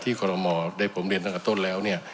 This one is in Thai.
ที่ก็เกิดของผมเรียนตอนออกแล้ว